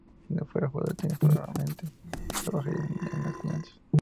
Si no fuera jugador de tenis probablemente "trabajaría en las finanzas".